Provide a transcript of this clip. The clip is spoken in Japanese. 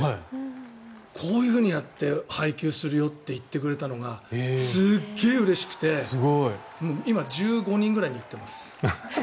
こういうふうにやって配球するよって言ってくれたのがすっげえうれしくて今、１５人くらいに言ってます。